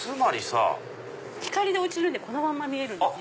光が落ちるんでこのまま見えるんですよ